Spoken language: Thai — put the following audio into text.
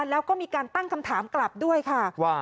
แล้วก็มีการตั้งคำถามกลับด้วยค่ะว่า